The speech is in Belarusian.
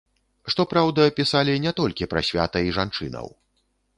Што праўда, пісалі не толькі пра свята і жанчынаў.